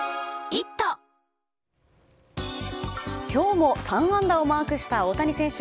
今日も３安打をマークした大谷選手。